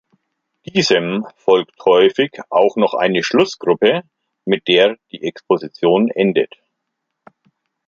Diesem folgt häufig auch noch eine Schlussgruppe, mit der die Exposition endet.